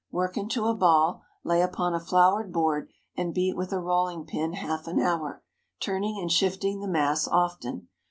Work into a ball, lay upon a floured board, and beat with a rolling pin half an hour, turning and shifting the mass often.